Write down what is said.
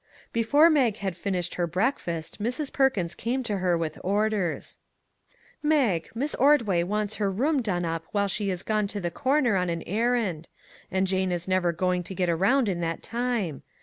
Before Mag had finished her breakfast Mrs. Perkins came to her with orders. 98 "A CRUMB OF COMFORT" " Mag, Miss Ordway wants her room done up while she is gone to the corner on an er rand ; and Jane is never going to get around in that time.